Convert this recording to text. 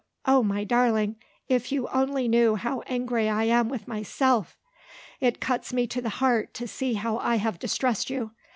Oh, my darling, if you only knew how angry I am with myself! It cuts me to the heart to see how I have distressed you.